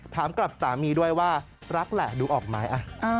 ถามกับสามีด้วยว่ารักแหละดูออกไหม